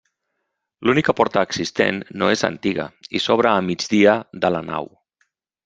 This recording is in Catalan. L'única porta existent no és antiga i s'obre a migdia de la nau.